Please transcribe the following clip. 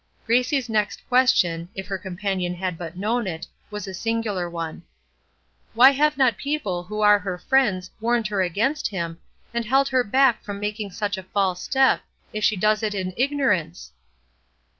Gracie's next question if her companion had but known it was a singular one: "Why have not people who are her friends warned her against him, and held her back from making such a false step, if she does it in ignorance?"